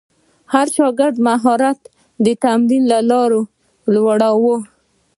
د هر شاګرد مهارت د تمرین له لارې لوړاوه.